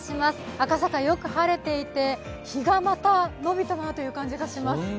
赤坂、よく晴れていて日がまた延びたなという感じがします。